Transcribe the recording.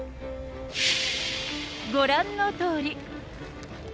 ご覧のとおり。